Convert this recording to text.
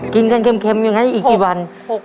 กินกันเค็มอย่างนั้นอีกกี่วัน